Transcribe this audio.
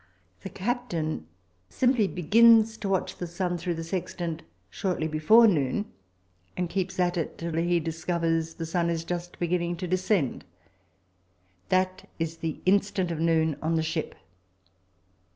The captain simply begins to watch the sun through the sextant shortly before noon, and keeps at it until he discovers that the sun is just beginning to descend. That is the instant of noon on the ship.